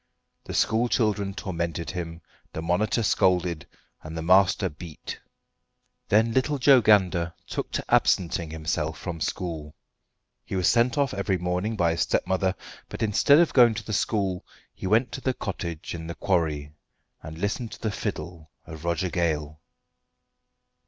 The school children tormented him, the monitor scolded, and the master beat. Then little Joe Gander took to absenting himself from school. He was sent off every morning by his stepmother, but instead of going to the school he went to the cottage in the quarry, and listened to the fiddle of Roger Gale.